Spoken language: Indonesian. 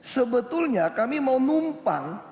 sebetulnya kami mau numpang